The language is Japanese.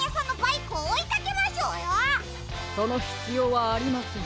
そのひつようはありません。